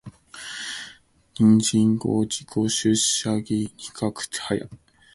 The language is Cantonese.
當事人小周表示，自己出社會做事比較早。